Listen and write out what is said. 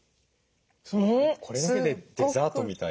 これだけでデザートみたい。